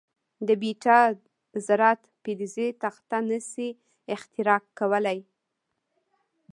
د بیټا ذرات فلزي تخته نه شي اختراق کولای.